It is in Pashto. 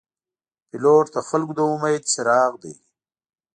پیلوټ د خلګو د امید څراغ دی.